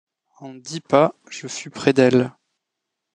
En dix pas je fus près d’elle.